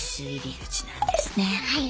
はい。